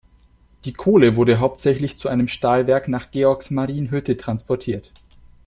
Die Kohle wurde hauptsächlich zu einem Stahlwerk nach Georgsmarienhütte transportiert.